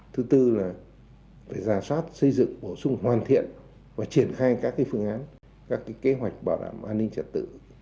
thứ tư là phải giả soát xây dựng bổ sung hoàn thiện và triển khai các phương án các kế hoạch bảo đảm an ninh trật tự